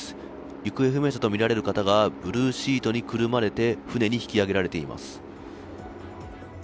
行方不明者とみられる方がブルーシートにくるまれて船に引き上げられています。